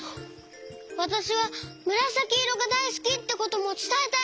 「わたしはむらさきいろがだいすき」ってこともつたえたい！